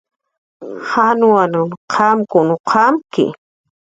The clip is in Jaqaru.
Jawunhan qamkun qamki